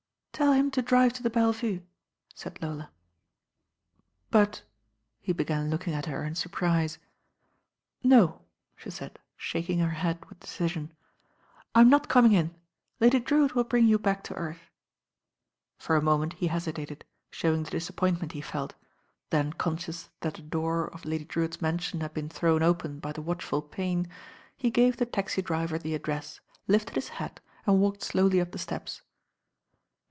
"Tell him to drive to the Belle Vue," said Lola. "But " he began looking at her in surprise. ^^ "No," she said, shaking her head with decision. "I'm not coming in. Lady Drewitt will bring you back to earth." For a moment he hesitated, showing the disap pointment he felt, then conscious that the door of f8f THE RAIN GIRL Lady Drewitt*s mansion had been thrown open by the watchful Payne, he gave the taxi driver the address, lifted his hat, and walked slowly up the steps.